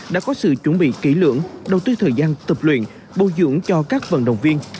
đã có sự chuẩn bị kỹ lưỡng đầu tư thời gian tập luyện bồi dưỡng cho các vận động viên